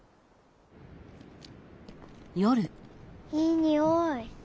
いいにおい。